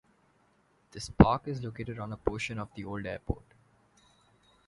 This park is located on a portion of the old airport.